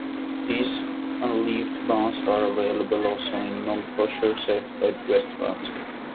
These unleavened buns are available also in non-kosher-certified restaurants.